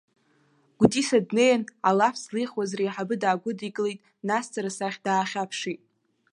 Гәдиса днеин, алаф злихуаз, реиҳабы даагәыдикылеит, нас сара сахь даахьаԥшит.